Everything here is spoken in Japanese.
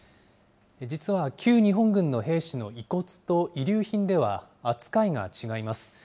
実は、旧日本軍の兵士の遺骨と遺留品では扱いが違います。